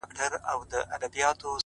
ستادی ـستادی ـستادی فريادي گلي ـ